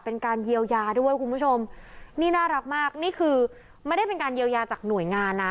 เป็นการเยียวยาด้วยคุณผู้ชมนี่น่ารักมากนี่คือไม่ได้เป็นการเยียวยาจากหน่วยงานนะ